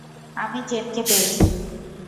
আমি জেন কে পেয়েছি।